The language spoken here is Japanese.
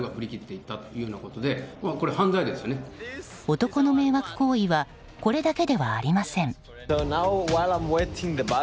男の迷惑行為はこれだけではありません。